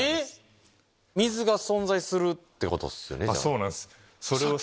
そうなんです。